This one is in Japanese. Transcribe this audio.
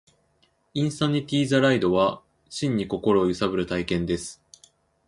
インサニティ・ザ・ライドは、真に心を揺さぶる体験です